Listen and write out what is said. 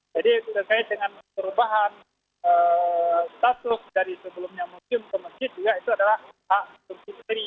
jadi terkait dengan perubahan status dari sebelumnya museum ke masjid juga itu adalah hak berpikir